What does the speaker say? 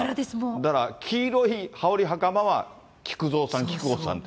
だから、黄色い羽織りはかまは木久蔵さん、木久扇さんって。